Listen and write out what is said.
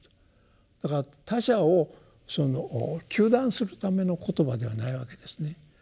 だから他者を糾弾するための言葉ではないわけですね。